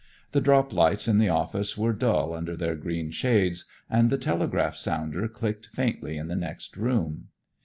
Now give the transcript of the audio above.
The drop lights in the office were dull under their green shades, and the telegraph sounder clicked faintly in the next room.